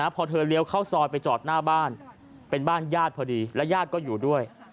พอเธอเลี้ยวเข้าซอยไปจอดหน้าบ้านเป็นบ้านญาติพอดีและญาติก็อยู่ด้วย